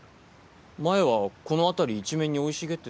前はこの辺り一面に生い茂ってたような。